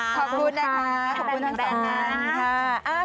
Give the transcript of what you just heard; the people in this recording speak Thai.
ขอบคุณนะคะขอบคุณทั้งสอง